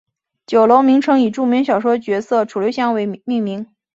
酒楼名称以著名小说角色楚留香命名。